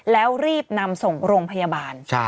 แล้วรีบนำส่งโรงพยาบาล